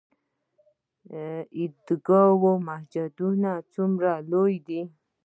عیدګاه جومات څومره لوی دی؟